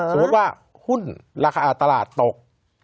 สมมุติว่าหุ้นราคาตลาดตก